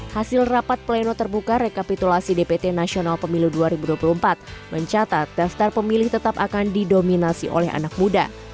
hasil rapat pleno terbuka rekapitulasi dpt nasional pemilu dua ribu dua puluh empat mencatat daftar pemilih tetap akan didominasi oleh anak muda